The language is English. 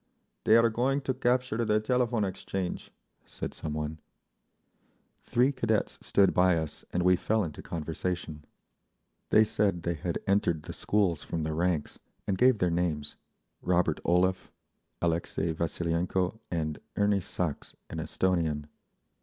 "They are going to capture the Telephone Exchange," said some one. Three cadets stood by us, and we fell into conversation. They said they had entered the schools from the ranks, and gave their names—Robert Olev, Alexei Vasilienko and Erni Sachs, an Esthonian.